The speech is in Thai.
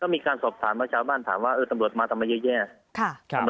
มีการสอบถามมาจากชาวบ้านว่าตำรวจมาทำมาเยอะเยี่ยม